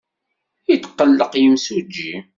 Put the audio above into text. Yetqelleq yimsujji.